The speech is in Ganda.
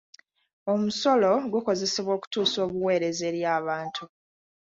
Omusolo gukozesebwa okutuusa obuweereza eri abantu.